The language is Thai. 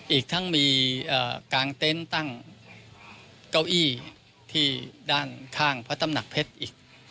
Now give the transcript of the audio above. อีกทั้งมีกางเต็นต์ตั้งเก้าอี้ที่ด้านข้างพระตำหนักเพชรอีก